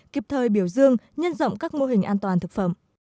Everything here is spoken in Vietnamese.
kịp thời biểu dương nhân rộng các mô hình an toàn thực phẩm